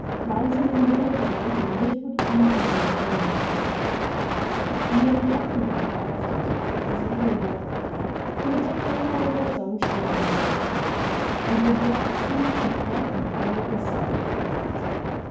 Rouse him in the middle of the night, and wit would come from him before he was half awake. And yet he never monopolised the talk, was never a bore. He would take no more than his own share of the words spoken, and would yet seem to brighten all that was said during the night.